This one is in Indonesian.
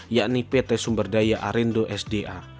yakni pt sumberdaya arindo sda